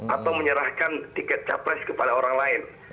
atau menyerahkan tiket capres kepada orang lain